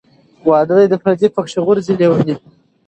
ـ واده دى د پرديي کې غورځي لېوني .